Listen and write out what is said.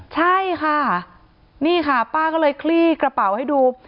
ใช่ค่ะนี่ค่ะป้าก็เลยคลี่กระเป๋าให้ดู